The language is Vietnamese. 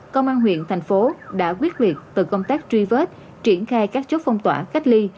công an huyện thành phố đã quyết liệt từ công tác truy vết triển khai các chốt phong tỏa cách ly